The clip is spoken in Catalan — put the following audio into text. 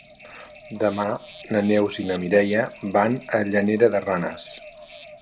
Demà na Neus i na Mireia van a Llanera de Ranes.